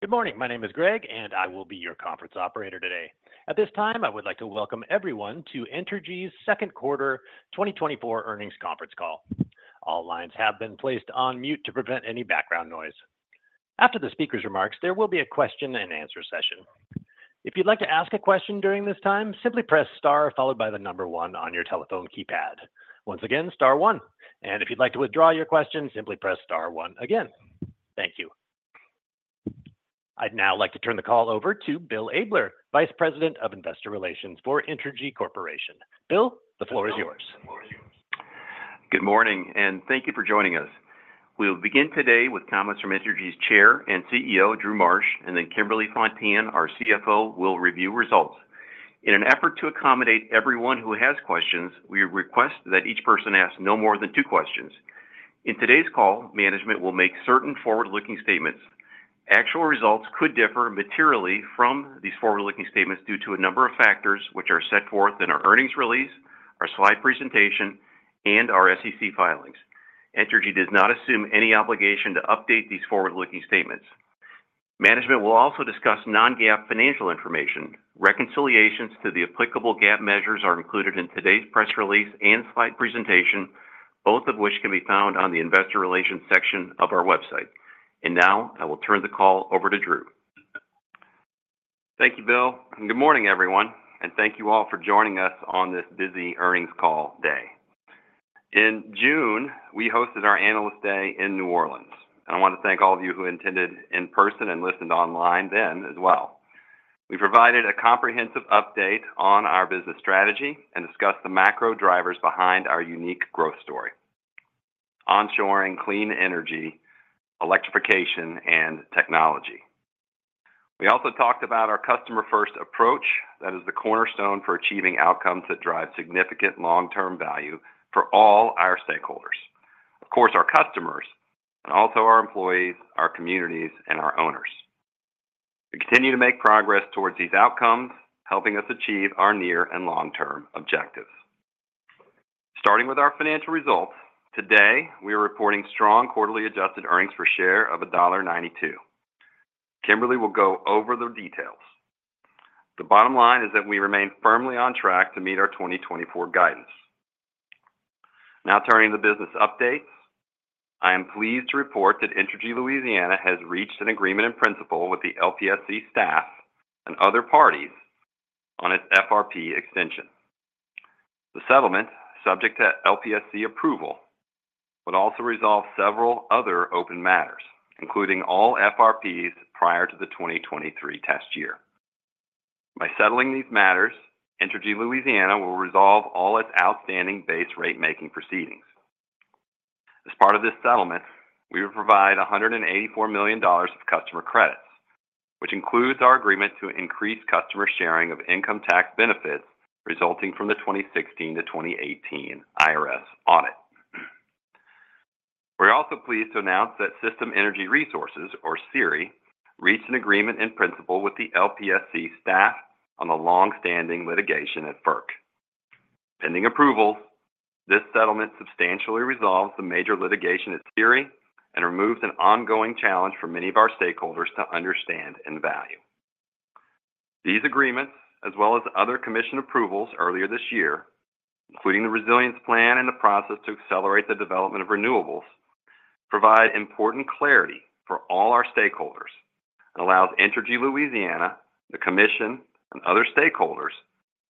Good morning. My name is Greg, and I will be your conference operator today. At this time, I would like to welcome everyone to Entergy's second quarter 2024 earnings conference call. All lines have been placed on mute to prevent any background noise. After the speaker's remarks, there will be a question and answer session. If you'd like to ask a question during this time, simply press star followed by the number one on your telephone keypad. Once again, star one. If you'd like to withdraw your question, simply press star one again. Thank you. I'd now like to turn the call over to Bill Abler, Vice President of Investor Relations for Entergy Corporation. Bill, the floor is yours. Good morning, and thank you for joining us. We will begin today with comments from Entergy's Chair and CEO, Drew Marsh, and then Kimberly Fontenot, our CFO, will review results. In an effort to accommodate everyone who has questions, we request that each person ask no more than two questions. In today's call, management will make certain forward-looking statements. Actual results could differ materially from these forward-looking statements due to a number of factors, which are set forth in our earnings release, our slide presentation, and our SEC filings. Entergy does not assume any obligation to update these forward-looking statements. Management will also discuss non-GAAP financial information. Reconciliations to the applicable GAAP measures are included in today's press release and slide presentation, both of which can be found on the Investor Relations section of our website. Now, I will turn the call over to Drew. Thank you, Bill, and good morning, everyone, and thank you all for joining us on this busy earnings call day. In June, we hosted our Analyst Day in New Orleans. I want to thank all of you who attended in person and listened online then as well. We provided a comprehensive update on our business strategy and discussed the macro drivers behind our unique growth story: onshoring clean energy, electrification, and technology. We also talked about our customer-first approach that is the cornerstone for achieving outcomes that drive significant long-term value for all our stakeholders. Of course, our customers, and also our employees, our communities, and our owners. We continue to make progress towards these outcomes, helping us achieve our near and long-term objectives. Starting with our financial results, today, we are reporting strong quarterly adjusted earnings per share of $1.92. Kimberly will go over the details. The bottom line is that we remain firmly on track to meet our 2024 guidance. Now turning to the business updates, I am pleased to report that Entergy Louisiana has reached an agreement in principle with the LPSC staff and other parties on its FRP extension. The settlement, subject to LPSC approval, would also resolve several other open matters, including all FRPs prior to the 2023 test year. By settling these matters, Entergy Louisiana will resolve all its outstanding base ratemaking proceedings. As part of this settlement, we will provide $184 million of customer credits, which includes our agreement to increase customer sharing of income tax benefits resulting from the 2016 to 2018 IRS audit. We're also pleased to announce that System Energy Resources, or SERI, reached an agreement in principle with the LPSC staff on the longstanding litigation at FERC. Pending approval, this settlement substantially resolves the major litigation at SERI and removes an ongoing challenge for many of our stakeholders to understand and value. These agreements, as well as other Commission approvals earlier this year, including the resilience plan and the process to accelerate the development of renewables, provide important clarity for all our stakeholders and allows Entergy Louisiana, the Commission, and other stakeholders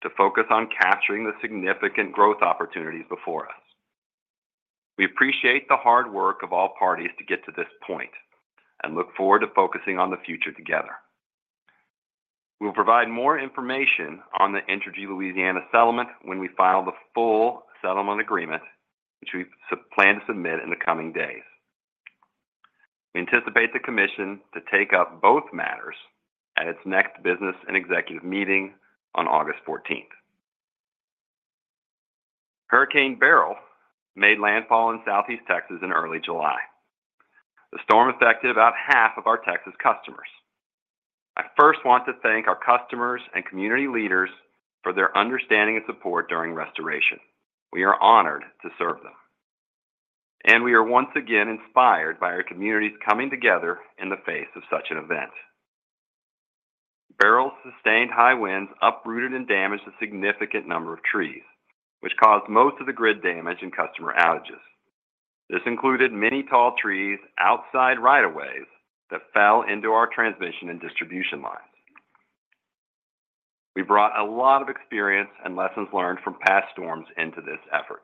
to focus on capturing the significant growth opportunities before us. We appreciate the hard work of all parties to get to this point and look forward to focusing on the future together. We'll provide more information on the Entergy Louisiana settlement when we file the full settlement agreement, which we plan to submit in the coming days. We anticipate the Commission to take up both matters at its next business and executive meeting on August fourteenth. Hurricane Beryl made landfall in Southeast Texas in early July. The storm affected about half of our Texas customers. I first want to thank our customers and community leaders for their understanding and support during restoration. We are honored to serve them, and we are once again inspired by our communities coming together in the face of such an event. Beryl's sustained high winds uprooted and damaged a significant number of trees, which caused most of the grid damage and customer outages. This included many tall trees outside rights of way that fell into our transmission and distribution lines. We brought a lot of experience and lessons learned from past storms into this effort,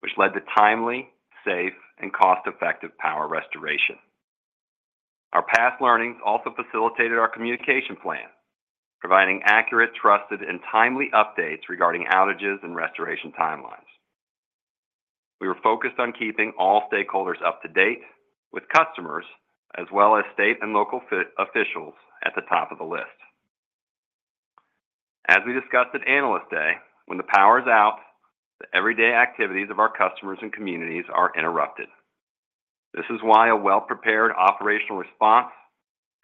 which led to timely, safe, and cost-effective power restoration. Our past learnings also facilitated our communication plan, providing accurate, trusted, and timely updates regarding outages and restoration timelines. We were focused on keeping all stakeholders up to date with customers, as well as state and local officials at the top of the list. As we discussed at Analyst Day, when the power is out, the everyday activities of our customers and communities are interrupted. This is why a well-prepared operational response,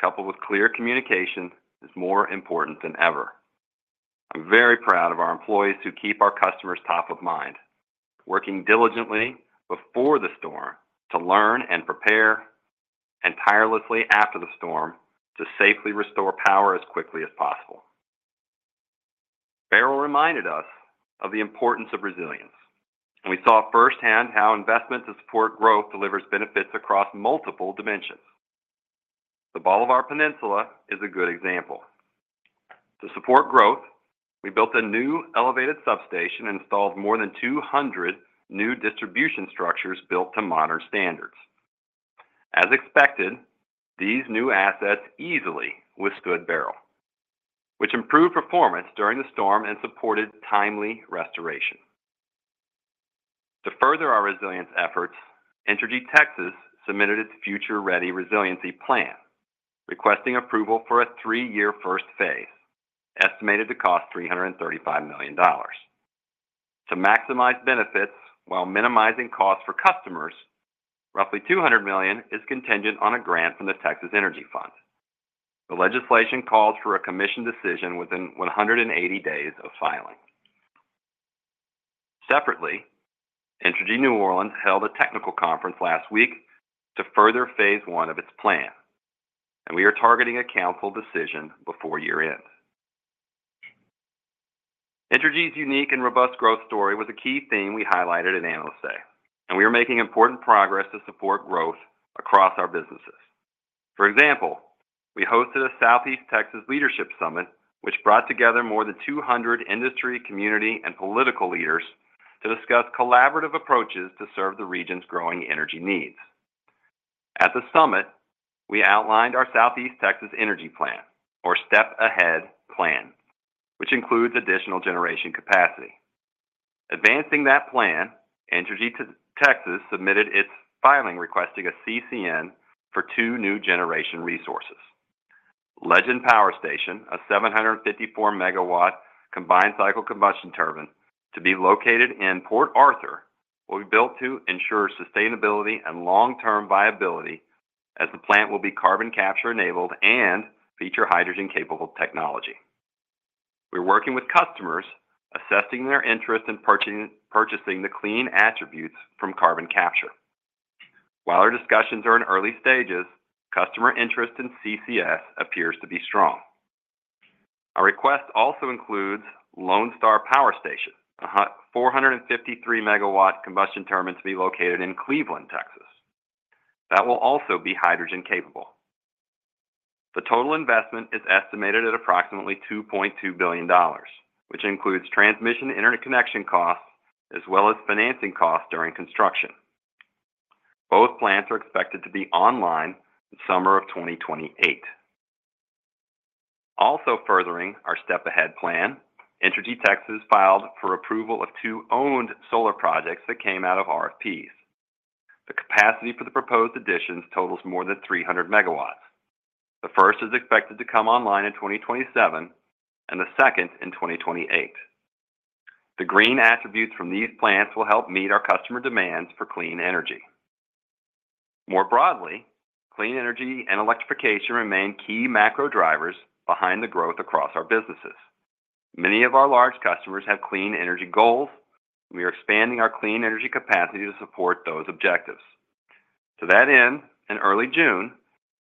coupled with clear communication, is more important than ever. I'm very proud of our employees who keep our customers top of mind, working diligently before the storm to learn and prepare, and tirelessly after the storm to safely restore power as quickly as possible. Beryl reminded us of the importance of resilience, and we saw firsthand how investments to support growth delivers benefits across multiple dimensions. The Bolivar Peninsula is a good example. To support growth, we built a new elevated substation and installed more than 200 new distribution structures built to modern standards. As expected, these new assets easily withstood Beryl, which improved performance during the storm and supported timely restoration. To further our resilience efforts, Entergy Texas submitted its Future Ready Resiliency Plan, requesting approval for a three-year first phase, estimated to cost $335 million. To maximize benefits while minimizing costs for customers, roughly $200 million is contingent on a grant from the Texas Energy Fund. The legislation calls for a commission decision within 180 days of filing. Separately, Entergy New Orleans held a technical conference last week to further phase one of its plan, and we are targeting a council decision before year-end. Entergy's unique and robust growth story was a key theme we highlighted at Analyst Day, and we are making important progress to support growth across our businesses. For example, we hosted a Southeast Texas Leadership Summit, which brought together more than 200 industry, community and political leaders to discuss collaborative approaches to serve the region's growing energy needs. At the summit, we outlined our Southeast Texas energy plan or STEP Ahead plan, which includes additional generation capacity. Advancing that plan, Entergy Texas submitted its filing, requesting a CCN for two new generation resources. Legend Power Station, a 754-megawatt combined cycle combustion turbine to be located in Port Arthur, will be built to ensure sustainability and long-term viability as the plant will be carbon capture enabled and feature hydrogen-capable technology. We're working with customers, assessing their interest in purchasing the clean attributes from carbon capture. While our discussions are in early stages, customer interest in CCS appears to be strong. Our request also includes Lone Star Power Station, a 453 MW combustion turbine to be located in Cleveland, Texas. That will also be hydrogen capable. The total investment is estimated at approximately $2.2 billion, which includes transmission and interconnection costs, as well as financing costs during construction. Both plants are expected to be online in summer of 2028. Also furthering our STEP Ahead plan, Entergy Texas filed for approval of two owned solar projects that came out of RFPs. The capacity for the proposed additions totals more than 300 MW. The first is expected to come online in 2027 and the second in 2028. The green attributes from these plants will help meet our customer demands for clean energy. More broadly, clean energy and electrification remain key macro drivers behind the growth across our businesses. Many of our large customers have clean energy goals. We are expanding our clean energy capacity to support those objectives. To that end, in early June,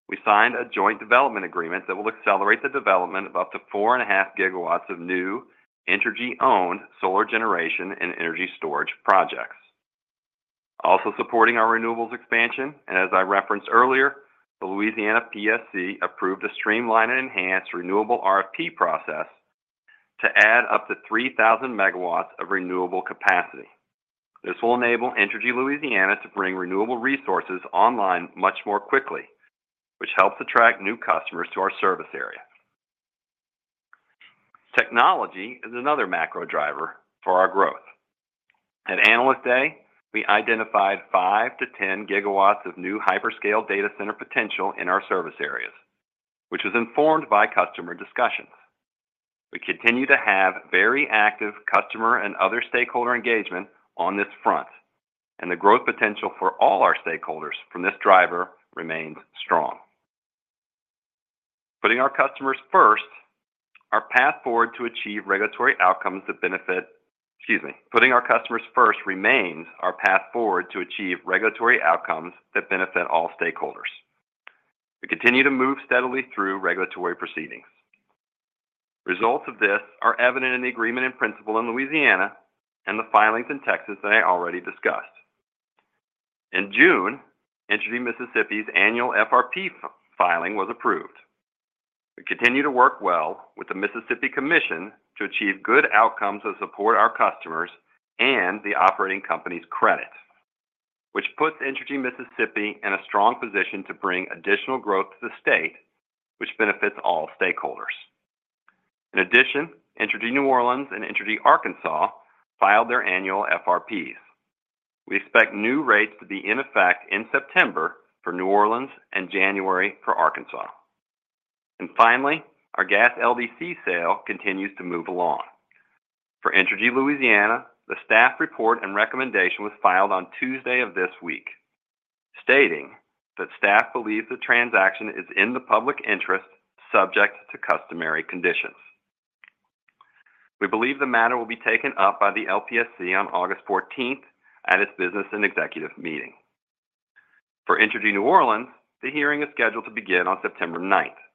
we signed a joint development agreement that will accelerate the development of up to 4.5 GW of new Entergy-owned solar generation and energy storage projects. Also supporting our renewables expansion, and as I referenced earlier, the Louisiana PSC approved a streamlined and enhanced renewable RFP process to add up to 3,000 MW of renewable capacity. This will enable Entergy Louisiana to bring renewable resources online much more quickly, which helps attract new customers to our service area. Technology is another macro driver for our growth. At Analyst Day, we identified 5-10 GW of new hyperscale data center potential in our service areas, which was informed by customer discussions. We continue to have very active customer and other stakeholder engagement on this front, and the growth potential for all our stakeholders from this driver remains strong. Putting our customers first, our path forward to achieve regulatory outcomes that benefit. Excuse me. Putting our customers first remains our path forward to achieve regulatory outcomes that benefit all stakeholders. We continue to move steadily through regulatory proceedings. Results of this are evident in the agreement in principle in Louisiana and the filings in Texas that I already discussed. In June, Entergy Mississippi's annual FRP filing was approved. We continue to work well with the Mississippi Commission to achieve good outcomes that support our customers and the operating company's credit, which puts Entergy Mississippi in a strong position to bring additional growth to the state, which benefits all stakeholders. In addition, Entergy New Orleans and Entergy Arkansas filed their annual FRPs. We expect new rates to be in effect in September for New Orleans and January for Arkansas. Finally, our gas LDC sale continues to move along. For Entergy Louisiana, the staff report and recommendation was filed on Tuesday of this week, stating that staff believes the transaction is in the public interest, subject to customary conditions. We believe the matter will be taken up by the LPSC on August 14 at its business and executive meeting. For Entergy New Orleans, the hearing is scheduled to begin on September 9, and we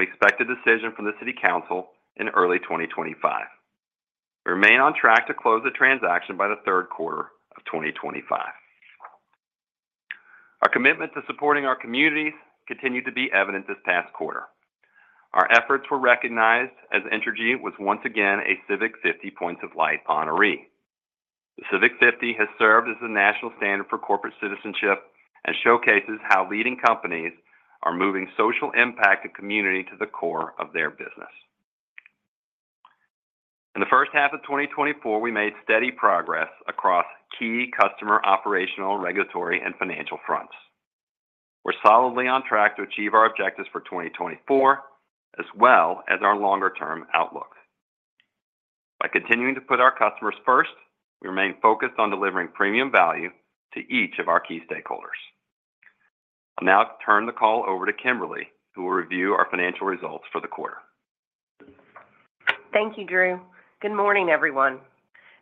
expect a decision from the city council in early 2025. We remain on track to close the transaction by the third quarter of 2025. Our commitment to supporting our communities continued to be evident this past quarter. Our efforts were recognized as Entergy was once again a Civic 50 Points of Light honoree. The Civic 50 has served as the national standard for corporate citizenship and showcases how leading companies are moving social impact and community to the core of their business. In the first half of 2024, we made steady progress across key customer, operational, regulatory, and financial fronts. We're solidly on track to achieve our objectives for 2024, as well as our longer-term outlook. By continuing to put our customers first, we remain focused on delivering premium value to each of our key stakeholders. I'll now turn the call over to Kimberly, who will review our financial results for the quarter. Thank you, Drew. Good morning, everyone.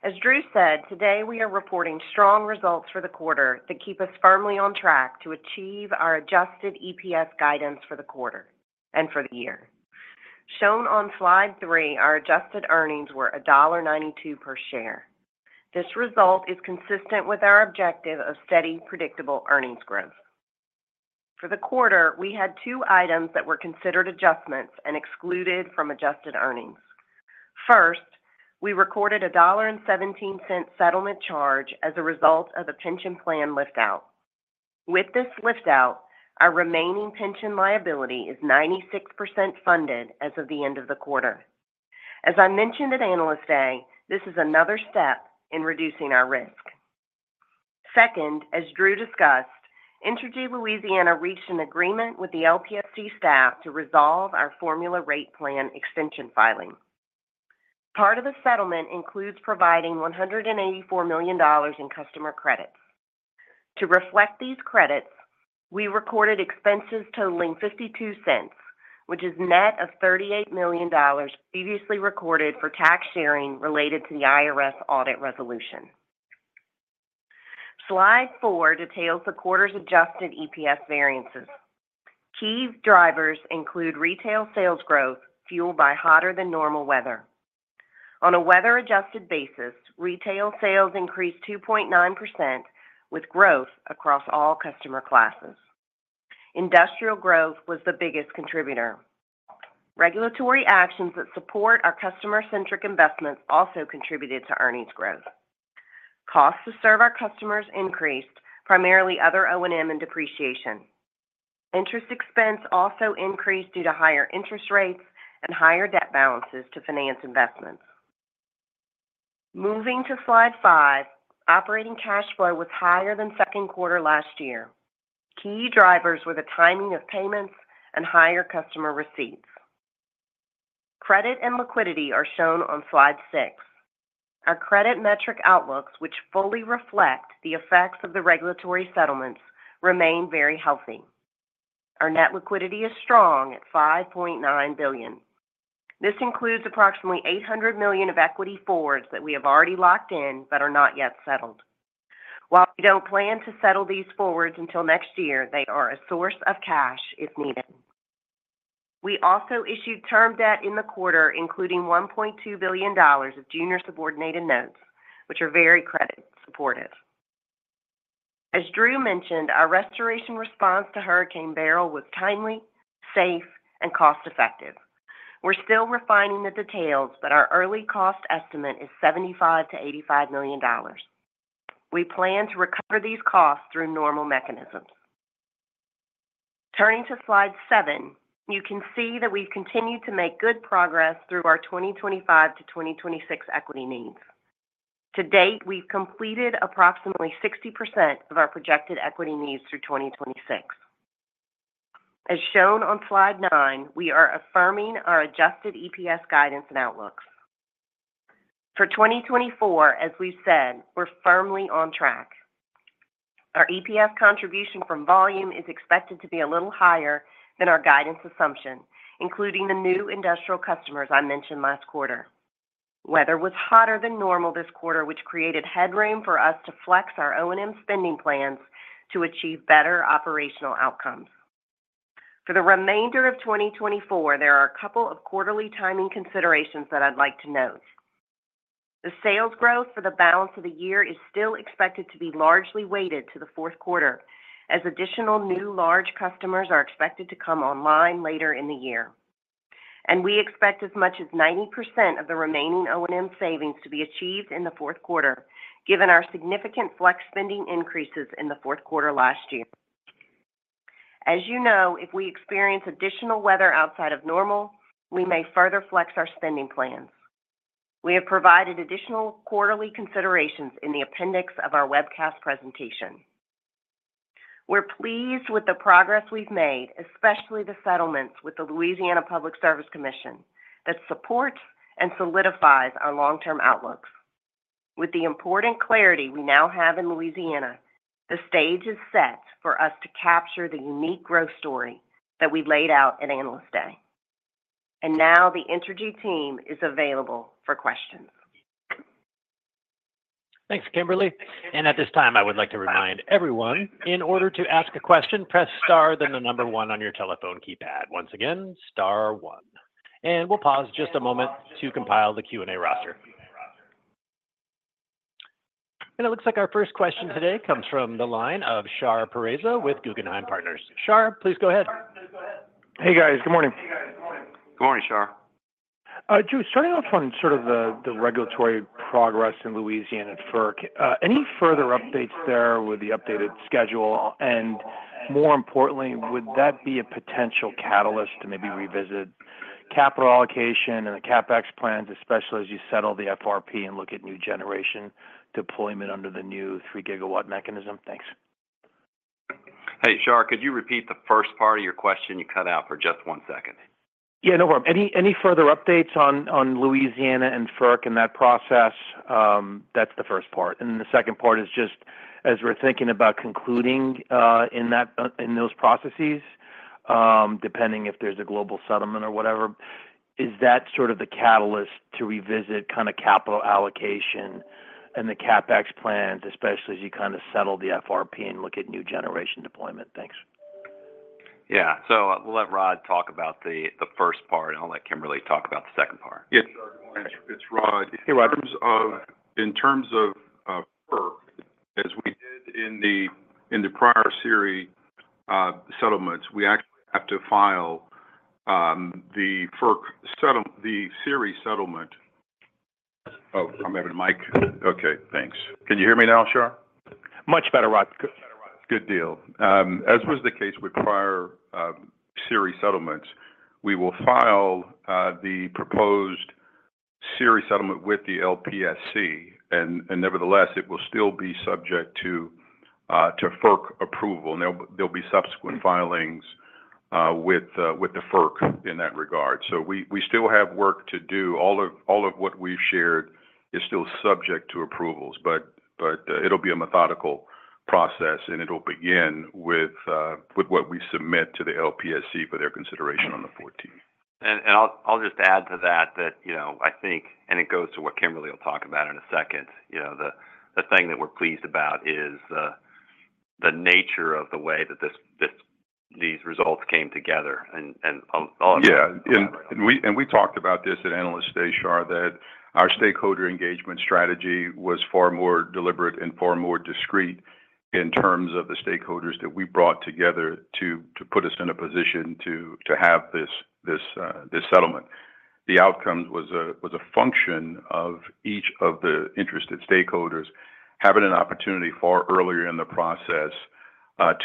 As Drew said, today, we are reporting strong results for the quarter that keep us firmly on track to achieve our adjusted EPS guidance for the quarter and for the year. Shown on slide 3, our adjusted earnings were $1.92 per share. This result is consistent with our objective of steady, predictable earnings growth. For the quarter, we had two items that were considered adjustments and excluded from adjusted earnings. First, we recorded a $0.17 settlement charge as a result of a pension plan lift-out. With this lift-out, our remaining pension liability is 96% funded as of the end of the quarter. As I mentioned at Analyst Day, this is another step in reducing our risk. Second, as Drew discussed, Entergy Louisiana reached an agreement with the LPSC staff to resolve our formula rate plan extension filing. Part of the settlement includes providing $184 million in customer credits. To reflect these credits, we recorded expenses totaling $0.52, which is net of $38 million previously recorded for tax sharing related to the IRS audit resolution. Slide 4 details the quarter's adjusted EPS variances. Key drivers include retail sales growth, fueled by hotter than normal weather. On a weather-adjusted basis, retail sales increased 2.9%, with growth across all customer classes. Industrial growth was the biggest contributor. Regulatory actions that support our customer-centric investments also contributed to earnings growth. Costs to serve our customers increased, primarily other O&M and depreciation. Interest expense also increased due to higher interest rates and higher debt balances to finance investments. Moving to slide 5, operating cash flow was higher than second quarter last year. Key drivers were the timing of payments and higher customer receipts. Credit and liquidity are shown on slide 6. Our credit metric outlooks, which fully reflect the effects of the regulatory settlements, remain very healthy. Our net liquidity is strong at $5.9 billion. This includes approximately $800 million of equity forwards that we have already locked in but are not yet settled. While we don't plan to settle these forwards until next year, they are a source of cash if needed. We also issued term debt in the quarter, including $1.2 billion of junior subordinated notes, which are very credit supportive. As Drew mentioned, our restoration response to Hurricane Beryl was timely, safe, and cost-effective. We're still refining the details, but our early cost estimate is $75 million-$85 million. We plan to recover these costs through normal mechanisms. Turning to slide 7, you can see that we've continued to make good progress through our 2025 to 2026 equity needs. To date, we've completed approximately 60% of our projected equity needs through 2026. As shown on slide 9, we are affirming our adjusted EPS guidance and outlooks. For 2024, as we've said, we're firmly on track. Our EPS contribution from volume is expected to be a little higher than our guidance assumption, including the new industrial customers I mentioned last quarter. Weather was hotter than normal this quarter, which created headroom for us to flex our O&M spending plans to achieve better operational outcomes. For the remainder of 2024, there are a couple of quarterly timing considerations that I'd like to note. The sales growth for the balance of the year is still expected to be largely weighted to the fourth quarter, as additional new large customers are expected to come online later in the year. We expect as much as 90% of the remaining O&M savings to be achieved in the fourth quarter, given our significant flex spending increases in the fourth quarter last year. As you know, if we experience additional weather outside of normal, we may further flex our spending plans. We have provided additional quarterly considerations in the appendix of our webcast presentation. We're pleased with the progress we've made, especially the settlements with the Louisiana Public Service Commission, that supports and solidifies our long-term outlooks. With the important clarity we now have in Louisiana, the stage is set for us to capture the unique growth story that we laid out at Analyst Day. Now the Entergy team is available for questions. Thanks, Kimberly. At this time, I would like to remind everyone, in order to ask a question, press Star, then the number one on your telephone keypad. Once again, Star one. We'll pause just a moment to compile the Q&A roster. It looks like our first question today comes from the line of Shar Pourreza with Guggenheim Partners. Shar, please go ahead. Hey, guys. Good morning. Good morning, Shar. Drew, starting off on sort of the regulatory progress in Louisiana and FERC, any further updates there with the updated schedule? And more importantly, would that be a potential catalyst to maybe revisit capital allocation and the CapEx plans, especially as you settle the FRP and look at new generation deployment under the new 3-gigawatt mechanism? Thanks. Hey, Shar, could you repeat the first part of your question? You cut out for just one second. Yeah, no problem. Any further updates on Louisiana and FERC in that process? That's the first part. And then the second part is just as we're thinking about concluding in that in those processes, depending if there's a global settlement or whatever, is that sort of the catalyst to revisit kinda capital allocation and the CapEx plans, especially as you kinda settle the FRP and look at new generation deployment? Thanks. Yeah. So we'll let Rod talk about the first part, and I'll let Kimberly talk about the second part. Yes, it's Rod. Hey, Rod. In terms of FERC, as we did in the prior SERI settlements, we actually have to file the SERI settlement. Oh, I'm having mic. Okay, thanks. Can you hear me now, Shar? Much better, Rod. Good deal. As was the case with prior SERI settlements, we will file the proposed SERI settlement with the LPSC, and nevertheless, it will still be subject to FERC approval. And there'll be subsequent filings with the FERC in that regard. So we still have work to do. All of what we've shared is still subject to approvals, but it'll be a methodical process, and it'll begin with what we submit to the LPSC for their consideration on the fourteenth. And I'll just add to that, you know, I think, and it goes to what Kimberly will talk about in a second, you know, the thing that we're pleased about is the nature of the way that this, these results came together. And Yeah, and we talked about this at Analyst Day, Shar, that our stakeholder engagement strategy was far more deliberate and far more discreet in terms of the stakeholders that we brought together to put us in a position to have this settlement. The outcome was a function of each of the interested stakeholders having an opportunity far earlier in the process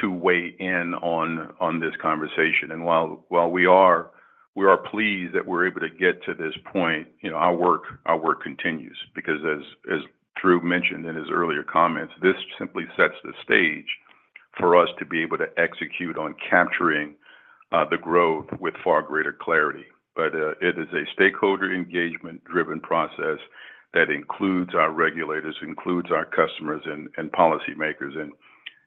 to weigh in on this conversation. And while we are pleased that we're able to get to this point, you know, our work continues, because as Drew mentioned in his earlier comments, this simply sets the stage for us to be able to execute on capturing the growth with far greater clarity. But, it is a stakeholder engagement-driven process that includes our regulators, includes our customers and policymakers,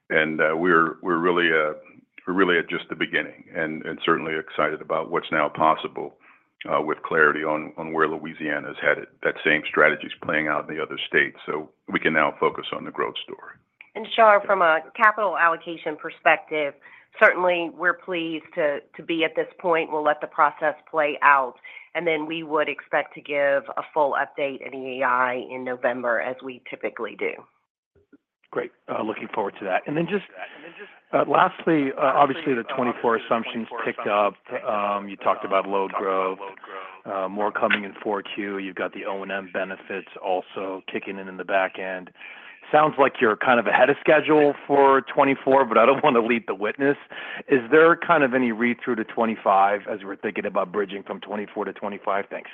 and we're really at just the beginning and certainly excited about what's now possible, with clarity on where Louisiana's headed. That same strategy is playing out in the other states, so we can now focus on the growth story. Shar, from a capital allocation perspective, certainly we're pleased to be at this point. We'll let the process play out, and then we would expect to give a full update at EEI in November, as we typically do. Great. Looking forward to that. And then just, lastly, obviously, the '24 assumptions ticked up. You talked about load growth, more coming in Q4. You've got the O&M benefits also kicking in in the back end. Sounds like you're kind of ahead of schedule for '24, but I don't want to lead the witness. Is there kind of any read-through to '25 as we're thinking about bridging from '24 to '25? Thanks.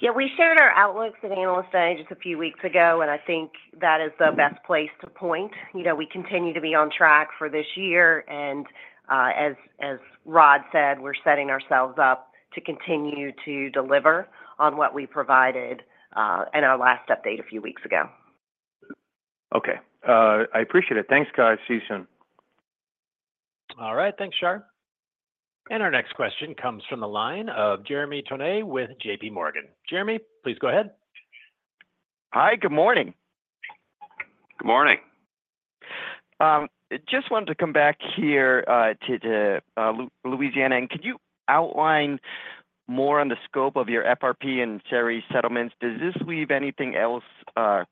Yeah, we shared our outlooks at Analyst Day just a few weeks ago, and I think that is the best place to point. You know, we continue to be on track for this year, and, as Rod said, we're setting ourselves up to continue to deliver on what we provided, in our last update a few weeks ago. Okay. I appreciate it. Thanks, guys. See you soon. All right. Thanks, Shar. And our next question comes from the line of Jeremy Tonet with JP Morgan. Jeremy, please go ahead. Hi, good morning. Good morning. Just wanted to come back here to Louisiana. And could you outline more on the scope of your FRP and SERI settlements? Does this leave anything else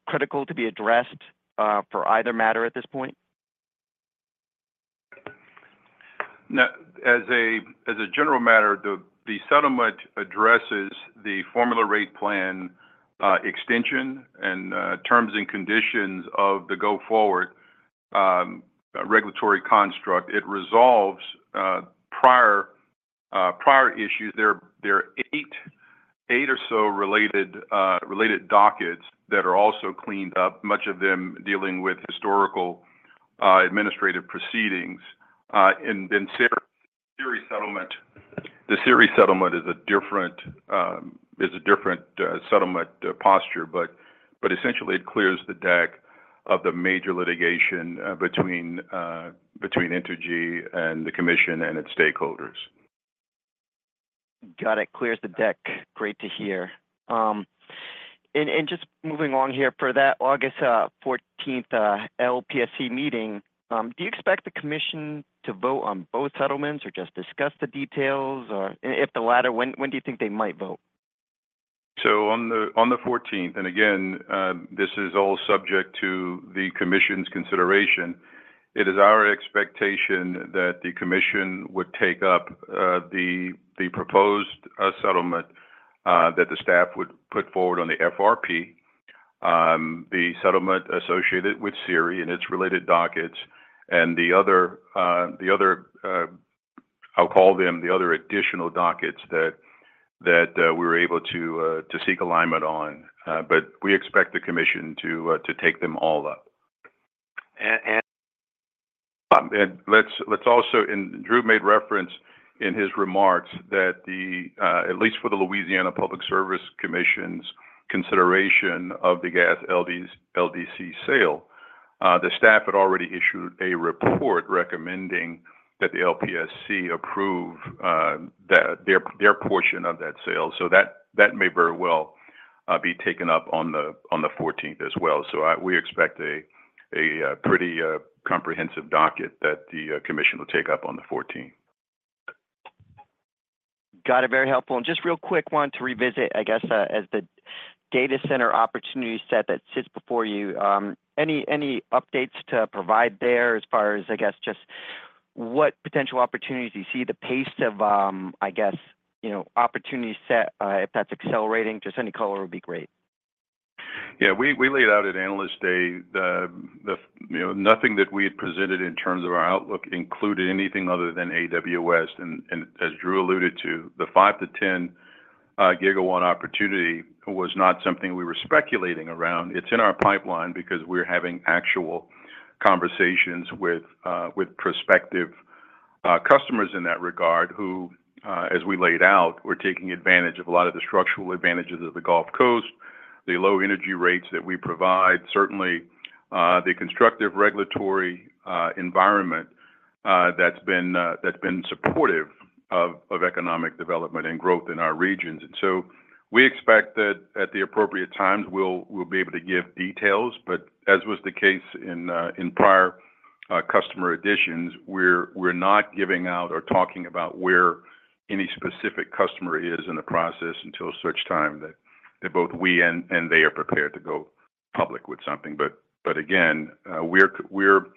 critical to be addressed for either matter at this point? Now, as a general matter, the settlement addresses the formula rate plan extension and terms and conditions of the go-forward regulatory construct. It resolves prior issues. There are eight or so related dockets that are also cleaned up, much of them dealing with historical administrative proceedings. And then SERI settlement. The SERI settlement is a different settlement posture, but essentially it clears the deck of the major litigation between Entergy and the commission and its stakeholders. Got it. Clears the deck. Great to hear. And just moving along here, for that August fourteenth LPSC meeting, do you expect the commission to vote on both settlements or just discuss the details? Or if the latter, when do you think they might vote? So on the fourteenth, and again, this is all subject to the commission's consideration, it is our expectation that the commission would take up the proposed settlement that the staff would put forward on the FRP. The settlement associated with SERI and its related dockets and the other, I'll call them the other additional dockets that we were able to seek alignment on. But we expect the commission to take them all up. And let's also - and Drew made reference in his remarks that at least for the Louisiana Public Service Commission's consideration of the gas LDC sale, the staff had already issued a report recommending that the LPSC approve their portion of that sale. So that that may very well be taken up on the fourteenth as well. So we expect a pretty comprehensive docket that the commission will take up on the fourteenth. Got it. Very helpful. And just real quick, wanted to revisit, I guess, as the data center opportunity set that sits before you, any, any updates to provide there as far as, I guess, just what potential opportunities you see, the pace of, I guess, you know, opportunity set, if that's accelerating, just any color would be great. Yeah, we laid out at Analyst Day, you know, nothing that we had presented in terms of our outlook included anything other than AWS. And as Drew alluded to, the 5-10 gigawatt opportunity was not something we were speculating around. It's in our pipeline because we're having actual conversations with prospective customers in that regard, who, as we laid out, were taking advantage of a lot of the structural advantages of the Gulf Coast, the low energy rates that we provide, certainly the constructive regulatory environment that's been supportive of economic development and growth in our regions. And so we expect that at the appropriate times, we'll be able to give details. But as was the case in prior customer additions, we're not giving out or talking about where any specific customer is in the process until such time that both we and they are prepared to go public with something. But again, we're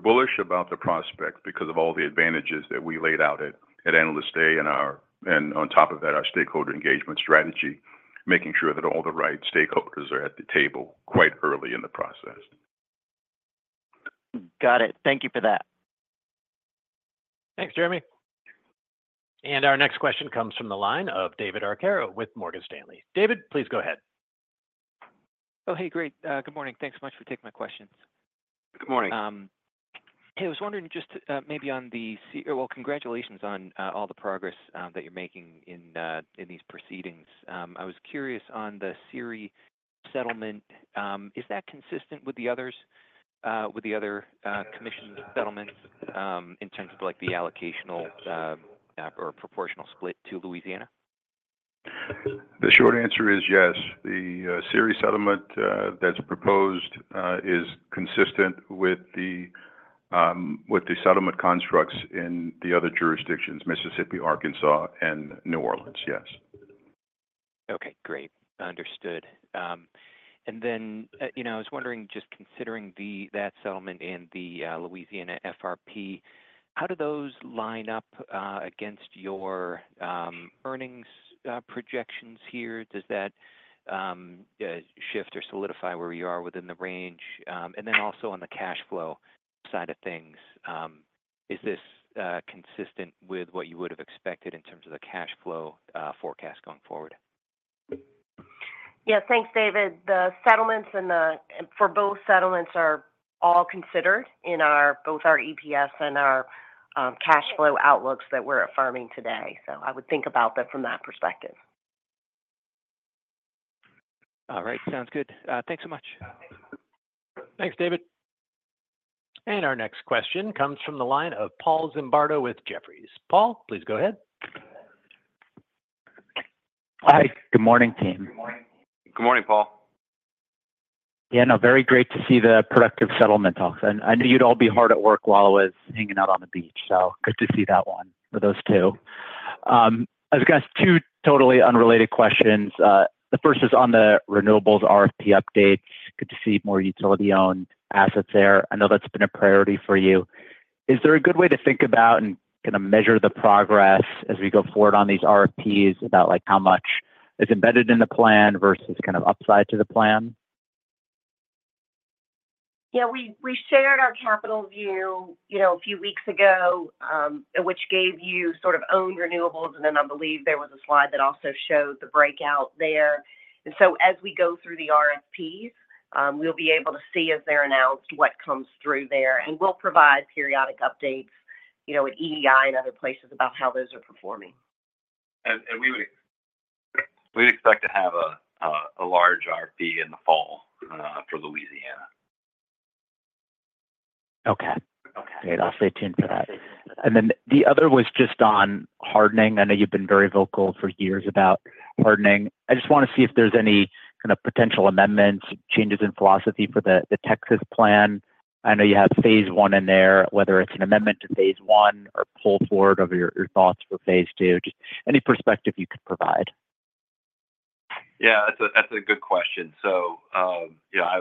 bullish about the prospect because of all the advantages that we laid out at Analyst Day and on top of that, our stakeholder engagement strategy, making sure that all the right stakeholders are at the table quite early in the process. Got it. Thank you for that. Thanks, Jeremy. Our next question comes from the line of David Arcaro with Morgan Stanley. David, please go ahead. Oh, hey, great. Good morning. Thanks so much for taking my questions. Good morning. Hey, I was wondering just maybe on the – well, congratulations on all the progress that you're making in these proceedings. I was curious on the SERI settlement. Is that consistent with the others, with the other commission settlements, in terms of, like, the allocational or proportional split to Louisiana? The short answer is yes. The CERI settlement that's proposed is consistent with the settlement constructs in the other jurisdictions: Mississippi, Arkansas, and New Orleans, yes. Okay, great. Understood. And then, you know, I was wondering, just considering that settlement and the Louisiana FRP, how do those line up against your earnings projections here? Does that shift or solidify where you are within the range? And then also on the cash flow side of things, is this consistent with what you would have expected in terms of the cash flow forecast going forward? Yeah. Thanks, David. The settlements and for both settlements are all considered in both our EPS and our cash flow outlooks that we're affirming today. So I would think about that from that perspective. All right. Sounds good. Thanks so much. Thanks, David. Our next question comes from the line of Paul Zimbardo with Jefferies. Paul, please go ahead. Hi, good morning, team. Good morning, Paul. Yeah, no, very great to see the productive settlement talks, and I knew you'd all be hard at work while I was hanging out on the beach, so good to see that one for those two. I've got two totally unrelated questions. The first is on the renewables RFP updates. Good to see more utility-owned assets there. I know that's been a priority for you. Is there a good way to think about and kind of measure the progress as we go forward on these RFPs, about, like, how much is embedded in the plan versus kind of upside to the plan? Yeah, we shared our capital view, you know, a few weeks ago, which gave you sort of owned renewables, and then I believe there was a slide that also showed the breakout there. And so as we go through the RFPs, we'll be able to see, as they're announced, what comes through there, and we'll provide periodic updates, you know, at EEI and other places about how those are performing. We'd expect to have a large RFP in the fall for Louisiana. Okay. Okay, and I'll stay tuned for that. And then the other was just on hardening. I know you've been very vocal for years about hardening. I just wanna see if there's any kind of potential amendments, changes in philosophy for the, the Texas plan. I know you have phase one in there, whether it's an amendment to phase one or pull forward of your, your thoughts for phase two. Just any perspective you could provide? Yeah, that's a good question. So, yeah,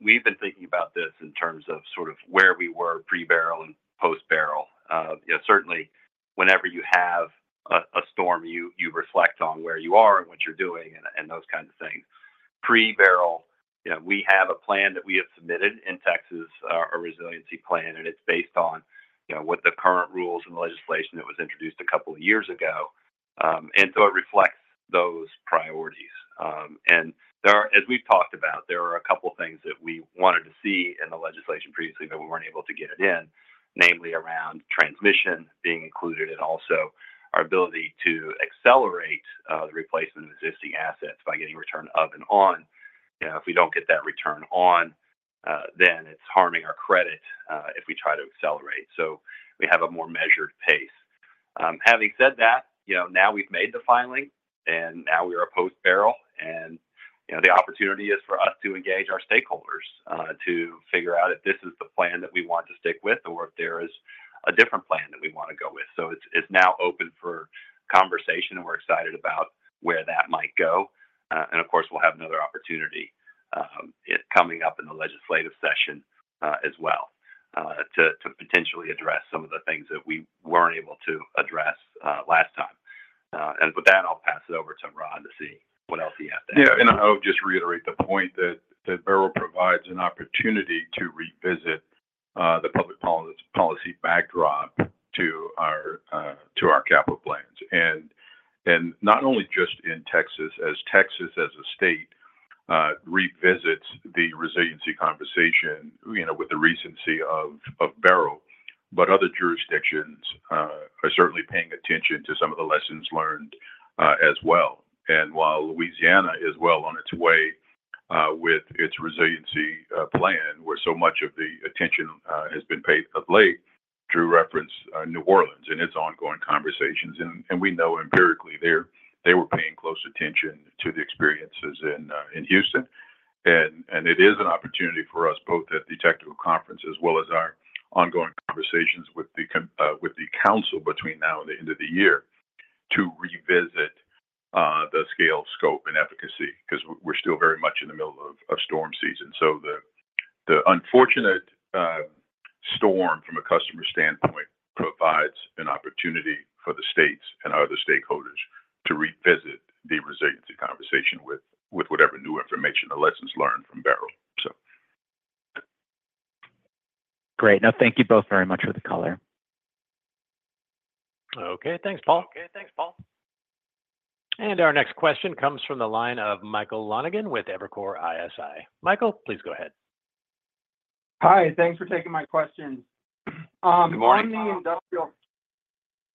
we've been thinking about this in terms of sort of where we were pre-Beryl and post-Beryl. Yeah, certainly whenever you have a storm, you reflect on where you are and what you're doing and those kinds of things. Pre-Beryl, you know, we have a plan that we have submitted in Texas, a resiliency plan, and it's based on, you know, what the current rules and legislation that was introduced a couple of years ago. And so it reflects those priorities. And there are as we've talked about, there are a couple things that we wanted to see in the legislation previously that we weren't able to get it in, namely, around transmission being included, and also our ability to accelerate, the replacement of existing assets by getting return of and on. You know, if we don't get that return on, then it's harming our credit, if we try to accelerate, so we have a more measured pace. Having said that, you know, now we've made the filing, and now we are post-Beryl, and, you know, the opportunity is for us to engage our stakeholders, to figure out if this is the plan that we want to stick with or if there is a different plan that we wanna go with. So it's now open for conversation, and we're excited about where that might go. And, of course, we'll have another opportunity coming up in the legislative session as well to potentially address some of the things that we weren't able to address last time. And with that, I'll pass it over to Rod to see what else he has to add. Yeah, and I'll just reiterate the point that Beryl provides an opportunity to revisit the public policy backdrop to our capital plans. And not only just in Texas, as Texas as a state revisits the resiliency conversation, you know, with the recency of Beryl, but other jurisdictions are certainly paying attention to some of the lessons learned as well. And while Louisiana is well on its way with its resiliency plan, where so much of the attention has been paid of late, Drew referenced New Orleans and its ongoing conversations, and we know empirically they were paying close attention to the experiences in Houston. It is an opportunity for us, both at the technical conference as well as our ongoing conversations with the council between now and the end of the year, to revisit the scale, scope, and efficacy because we're still very much in the middle of storm season. So the unfortunate storm, from a customer standpoint, provides an opportunity for the states and other stakeholders to revisit the resiliency conversation with whatever new information or lessons learned from Beryl, so. Great. Now, thank you both very much for the color. Okay, thanks, Paul. Okay, thanks, Paul. Our next question comes from the line of Michael Lonegan with Evercore ISI. Michael, please go ahead. Hi, thanks for taking my questions. Good morning, Michael. On the industrial,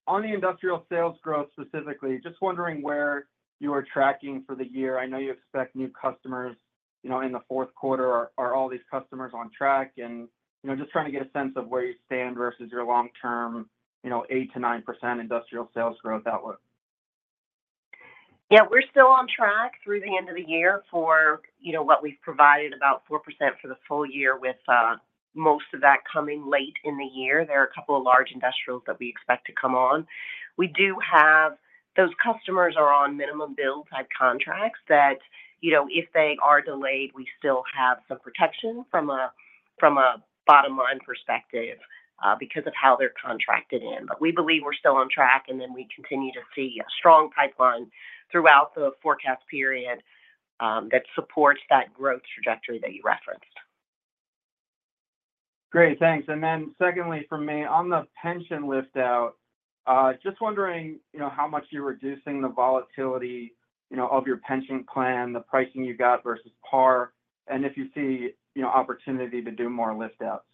on the industrial sales growth, specifically, just wondering where you are tracking for the year. I know you expect new customers, you know, in the fourth quarter. Are all these customers on track? And, you know, just trying to get a sense of where you stand versus your long-term, you know, 8%-9% industrial sales growth outlook. Yeah, we're still on track through the end of the year for, you know, what we've provided, about 4% for the full year, with most of that coming late in the year. There are a couple of large industrials that we expect to come on. We do have those customers on minimum bill type contracts that, you know, if they are delayed, we still have some protection from a, from a bottom line perspective, because of how they're contracted in. But we believe we're still on track, and then we continue to see a strong pipeline throughout the forecast period that supports that growth trajectory that you referenced. Great, thanks. And then secondly, for me, on the pension lift out, just wondering, you know, how much you're reducing the volatility, you know, of your pension plan, the pricing you got versus par, and if you see, you know, opportunity to do more lift outs?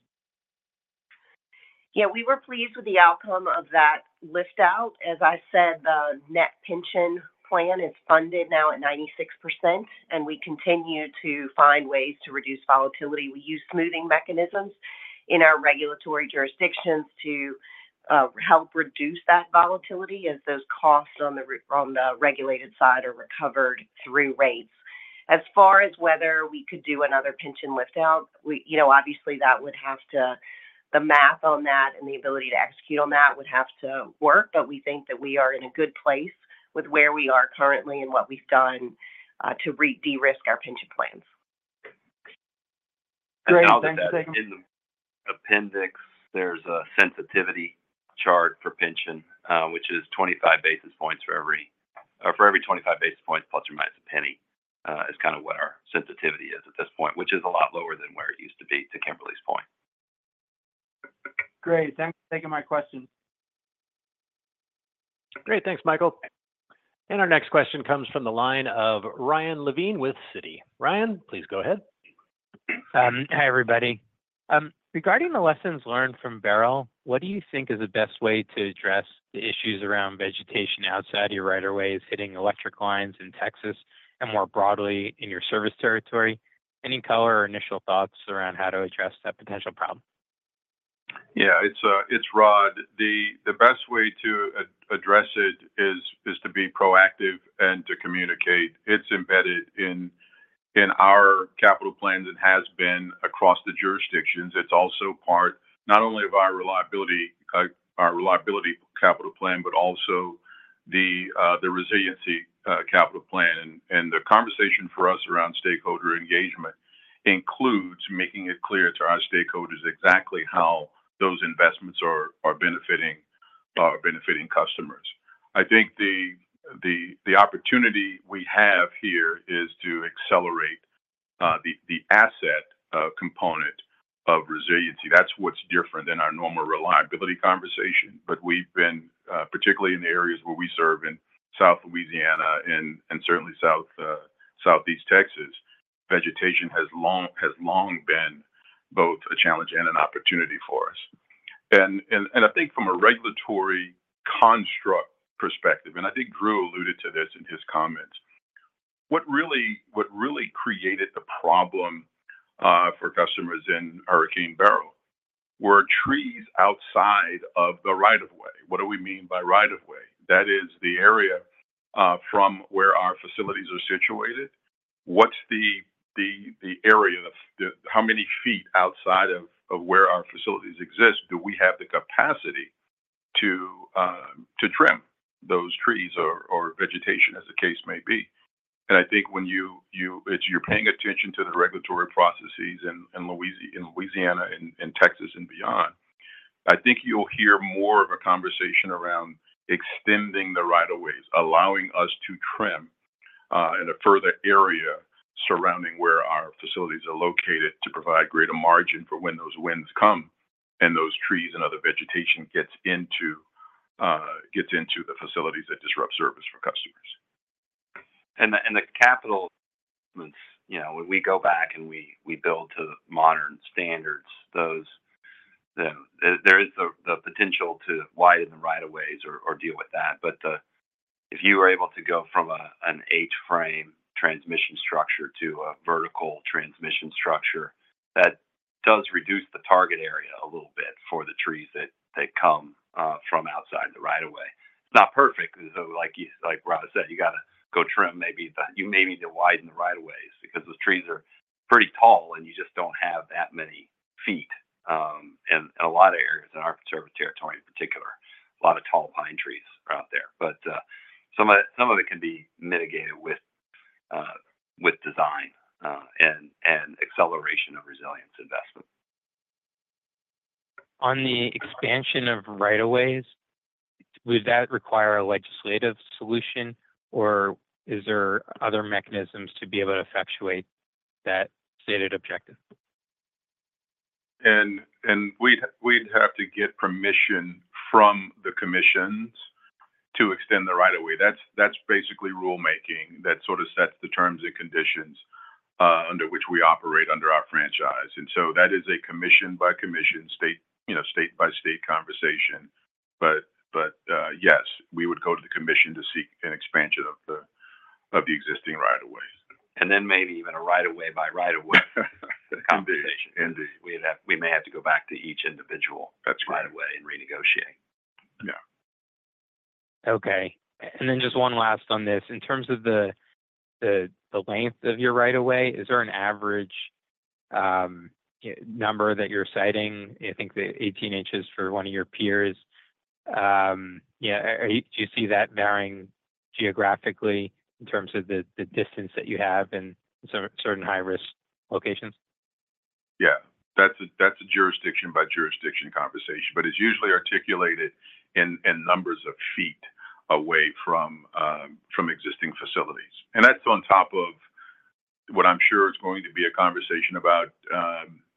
Yeah, we were pleased with the outcome of that lift out. As I said, the net pension plan is funded now at 96%, and we continue to find ways to reduce volatility. We use smoothing mechanisms in our regulatory jurisdictions to help reduce that volatility as those costs on the regulated side are recovered through rates. As far as whether we could do another pension lift out, you know, obviously, that would have to... The math on that and the ability to execute on that would have to work, but we think that we are in a good place with where we are currently and what we've done to de-risk our pension plans. Great, thanks. In the appendix, there's a sensitivity per pension, which is 25 basis points for every 25 basis points, ± a penny, is kind of what our sensitivity is at this point, which is a lot lower than where it used to be, to Kimberly's point. Great. Thanks for taking my question. Great. Thanks, Michael. Our next question comes from the line of Ryan Levine with Citi. Ryan, please go ahead. Hi, everybody. Regarding the lessons learned from Beryl, what do you think is the best way to address the issues around vegetation outside your rights-of-way, hitting electric lines in Texas, and more broadly in your service territory? Any color or initial thoughts around how to address that potential problem? Yeah, it's Rod. The best way to address it is to be proactive and to communicate. It's embedded in our capital plans, and has been across the jurisdictions. It's also part not only of our reliability capital plan, but also the resiliency capital plan. And the conversation for us around stakeholder engagement includes making it clear to our stakeholders exactly how those investments are benefiting customers. I think the opportunity we have here is to accelerate the asset component of resiliency. That's what's different than our normal reliability conversation. But we've been particularly in the areas where we serve in South Louisiana and certainly Southeast Texas. Vegetation has long been both a challenge and an opportunity for us. I think from a regulatory construct perspective, and I think Drew alluded to this in his comments, what really, what really created the problem for customers in Hurricane Beryl were trees outside of the right of way. What do we mean by right of way? That is the area from where our facilities are situated. What's the area? How many feet outside of where our facilities exist do we have the capacity to trim those trees or vegetation, as the case may be? And I think when you if you're paying attention to the regulatory processes in Louisiana and Texas and beyond, I think you'll hear more of a conversation around extending the right of ways, allowing us to trim in a further area surrounding where our facilities are located, to provide greater margin for when those winds come and those trees and other vegetation gets into the facilities that disrupt service for customers. And the capital, you know, when we go back and we build to modern standards, those, there is the potential to widen the right of ways or deal with that. But if you were able to go from an H-frame transmission structure to a vertical transmission structure, that does reduce the target area a little bit for the trees that come from outside the right of way. It's not perfect, so like you, like Rod said, you gotta go trim maybe, but you may need to widen the right of ways because the trees are pretty tall, and you just don't have that many feet in a lot of areas in our service territory in particular. A lot of tall pine trees are out there. But, some of it, some of it can be mitigated with, with design, and, and acceleration of resilience investment. On the expansion of rights-of-way, would that require a legislative solution, or is there other mechanisms to be able to effectuate that stated objective? And we'd have to get permission from the commissions to extend the right of way. That's basically rulemaking. That sort of sets the terms and conditions under which we operate under our franchise, and so that is a commission-by-commission state, you know, state-by-state conversation. But yes, we would go to the commission to seek an expansion of the existing right of ways. And then maybe even a right of way by right of way- Indeed, indeed. conversation. We may have to go back to each individual. That's right right of way and renegotiate. Yeah. Okay. And then just one last on this. In terms of the length of your right of way, is there an average number that you're citing? I think the 18 inches for one of your peers. Yeah, do you see that varying geographically in terms of the distance that you have in certain high-risk locations? Yeah. That's a, that's a jurisdiction-by-jurisdiction conversation, but it's usually articulated in, in numbers of feet away from, from existing facilities. And that's on top of what I'm sure is going to be a conversation about,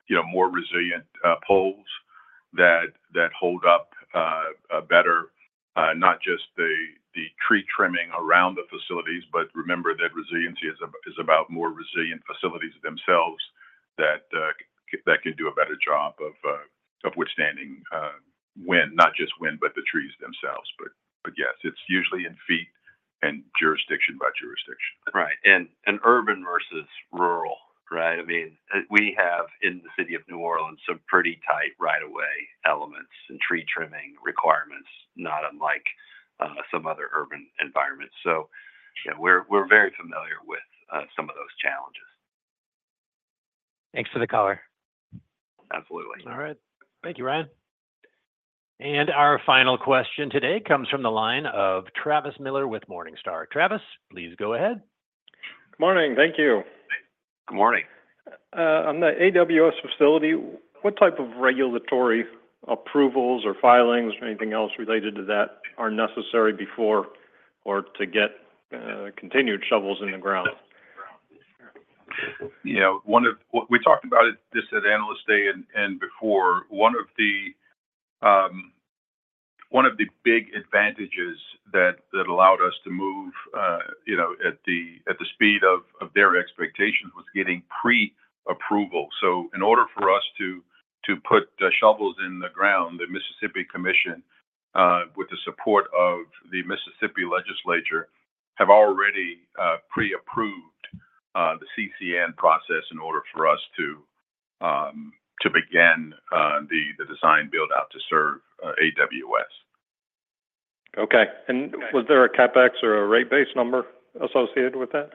you know, more resilient, poles that, that hold up, better. Not just the, the tree trimming around the facilities, but remember that resiliency is about more resilient facilities themselves, that, that can do a better job of, of withstanding, wind. Not just wind, but the trees themselves. But yes, it's usually in feet and jurisdiction by jurisdiction. Right. And urban versus rural, right? I mean, we have, in the city of New Orleans, some pretty tight right of way elements and tree trimming requirements, not unlike some other urban environments. So yeah, we're very familiar with some of those challenges. Thanks for the color. Absolutely. All right. Thank you, Ryan. And our final question today comes from the line of Travis Miller with Morningstar. Travis, please go ahead. Good morning. Thank you. Good morning. On the AWS facility, what type of regulatory approvals or filings or anything else related to that are necessary before or to get continued shovels in the ground? Yeah, one of the we talked about it, this at Analyst Day and, and before. One of the big advantages that allowed us to move, you know, at the speed of their expectations was getting pre-approval. So in order for us to put the shovels in the ground, the Mississippi Commission, with the support of the Mississippi Legislature, have already pre-approved the CCN process in order for us to begin the design build-out to serve AWS. Okay. And was there a CapEx or a rate base number associated with that?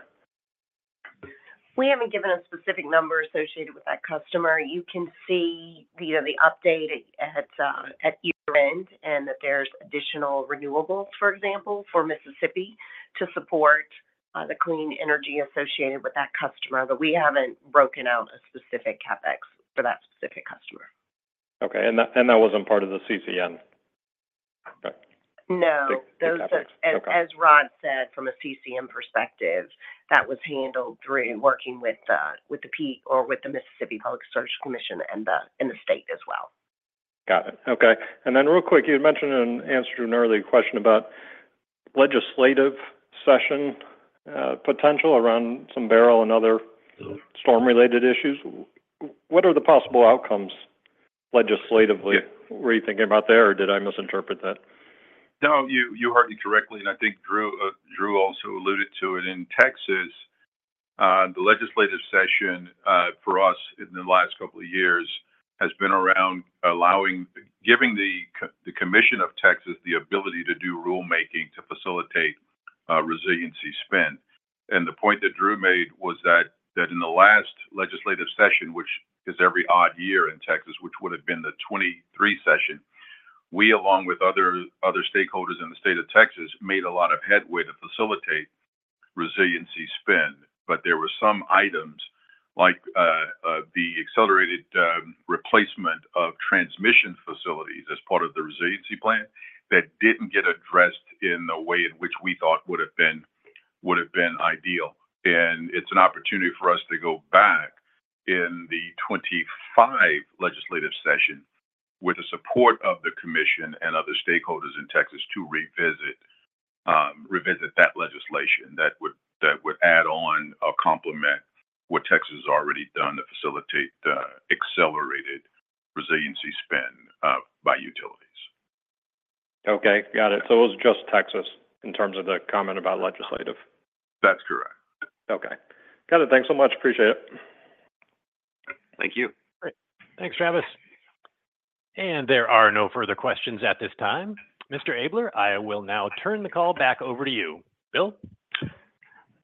We haven't given a specific number associated with that customer. You can see, you know, the update at year-end, and that there's additional renewables, for example, for Mississippi to support the clean energy associated with that customer. But we haven't broken out a specific CapEx for that specific customer. Okay. And that, and that wasn't part of the CCN? Okay. No. Okay. Those are- Okay As Rod said, from a CCN perspective, that was handled through working with the Mississippi Public Service Commission and the state as well. Got it. Okay. And then real quick, you had mentioned in answer to an earlier question about legislative session, potential around some Beryl and other storm-related issues. What are the possible outcomes legislatively- Yeah Were you thinking about there, or did I misinterpret that? No, you, you heard me correctly, and I think Drew, Drew also alluded to it. In Texas, the legislative session, for us in the last couple of years has been around allowing—giving the Commission of Texas the ability to do rulemaking to facilitate, resiliency spend. And the point that Drew made was that, that in the last legislative session, which is every odd year in Texas, which would have been the 2023 session, we, along with other, other stakeholders in the state of Texas, made a lot of headway to facilitate resiliency spend. But there were some items, like, the accelerated, replacement of transmission facilities as part of the resiliency plan, that didn't get addressed in the way in which we thought would have been, would have been ideal. It's an opportunity for us to go back in the 2025 legislative session with the support of the commission and other stakeholders in Texas to revisit that legislation that would add on or complement what Texas has already done to facilitate the accelerated resiliency spend by utilities. Okay, got it. So it was just Texas in terms of the comment about legislative? That's correct. Okay. Got it. Thanks so much. Appreciate it. Thank you. Great. Thanks, Travis. There are no further questions at this time. Mr. Abler, I will now turn the call back over to you. Bill?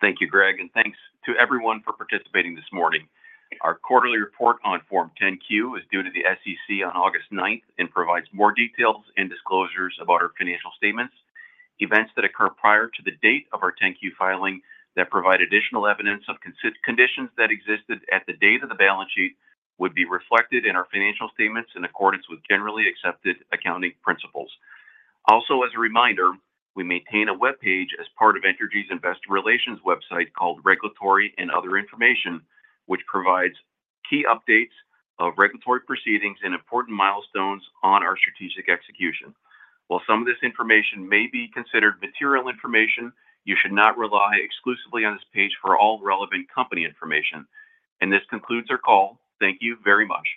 Thank you, Greg, and thanks to everyone for participating this morning. Our quarterly report on Form 10-Q is due to the SEC on August 9 and provides more details and disclosures about our financial statements. Events that occur prior to the date of our 10-Q filing that provide additional evidence of conditions that existed at the date of the balance sheet would be reflected in our financial statements in accordance with generally accepted accounting principles. Also, as a reminder, we maintain a webpage as part of Entergy's Investor Relations website called Regulatory and Other Information, which provides key updates of regulatory proceedings and important milestones on our strategic execution. While some of this information may be considered material information, you should not rely exclusively on this page for all relevant company information. This concludes our call. Thank you very much.